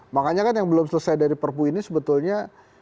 makanya kan yang belum selesai dari perpu ini sebetulnya